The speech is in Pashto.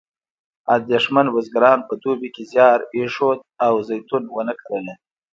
اندېښمن بزګران په دوبي کې زیار ایښود او زیتون ونه کرله.